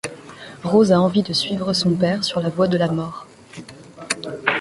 Rose a envie de suivre son père sur la voie de la mort.